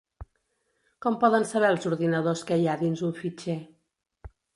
Com poden saber els ordinadors què hi ha dins un fitxer?